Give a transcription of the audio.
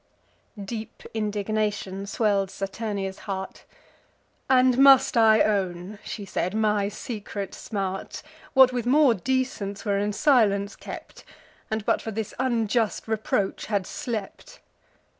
Deep indignation swell'd Saturnia's heart: "And must I own," she said, "my secret smart— What with more decence were in silence kept, And, but for this unjust reproach, had slept?